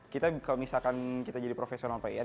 kita misalkan kita jadi profesional player